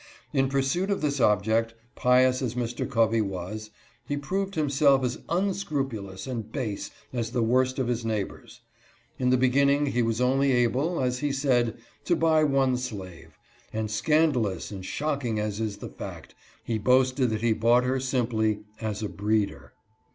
In pursuit. of this object, pious as Mr. Covey was, he proved himself as unscrupulous and base as the worst of his neighbors. In the beginning he was only able — as he said —" to buy one A HORRID SYSTEM. 151 slave ;" and scandalous and shocking as is the fact, he boasted that he bought her simply " as a breeder."